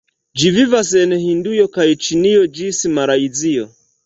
Ĝi vivas en Hindujo kaj Ĉinio ĝis Malajzio.